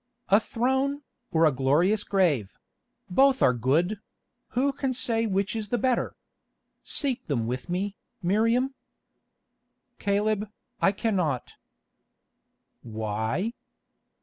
A throne, or a glorious grave—both are good; who can say which is the better? Seek them with me, Miriam." "Caleb, I cannot." "Why?"